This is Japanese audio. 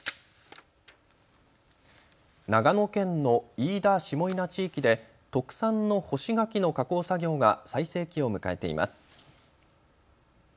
長野県の飯田下伊那地域で特産の干し柿の加工作業が最盛期を迎えています。